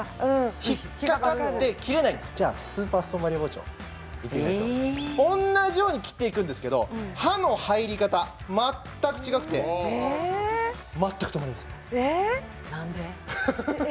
引っ掛かって切れないんですじゃスーパーストーンバリア包丁いってみましょう同じように切っていくんですけど刃の入り方全く違くて全く止まりませんなんで？